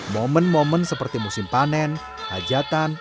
momen momen seperti musim panen hajatan